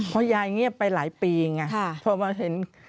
เพราะยายเงียบไปหลายปีไงพอมาเห็น